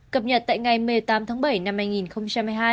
cập nhật tại ngày một mươi tám tháng bảy năm hai nghìn hai mươi hai